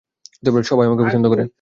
সবাই আমাকে পছন্দ করে।